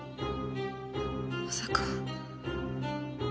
まさか。